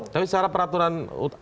tapi secara peraturan